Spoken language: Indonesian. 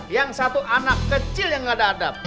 yang satu anak kecil yang nggak ada adab